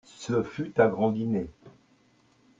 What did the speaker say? Ce fut un grand dîner.